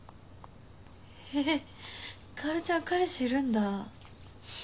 へぇ薫ちゃん彼氏いるんだ。